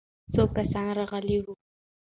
څو کسان راغلي وو؟